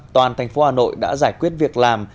toàn thành phố hà nội đã giải quyết việc làm